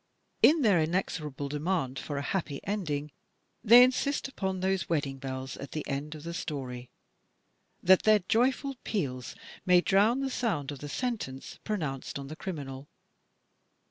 In their inexorable demand for "a happy ending," they insist upon those wedding bells at the end of the story, that their joyful peals may drown the sound of the sentence pronounced on the criminal.